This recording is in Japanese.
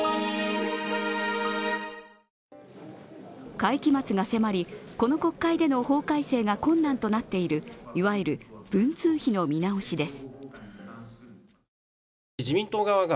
会期末が迫り、この国会での法改正が困難となっているいわゆる文通費の見直しです。